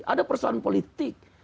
ada perusahaan politik